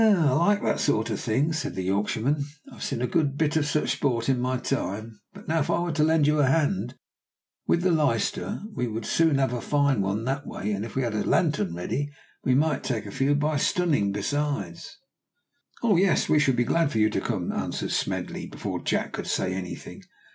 "Ah! I like that sort of thing!" said the Yorkshireman; "I have seen a good bit of such sport in my time. What now if I were to lend you a hand? With the leister we would soon have a fine one that way, and if we had a lantern ready, we might take a few by `sunning' besides." "Oh, yes! we shall be glad for you to come," answered Smedley, before Jack could say any thing.